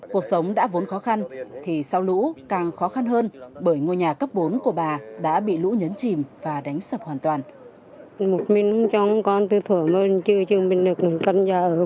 cuộc sống đã vốn khó khăn thì sau lũ càng khó khăn hơn bởi ngôi nhà cấp bốn của bà đã bị lũ nhấn chìm và đánh sập hoàn toàn